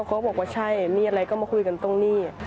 เขาบอกว่าใช่มีอะไรก็มาคุยกันตรงนี้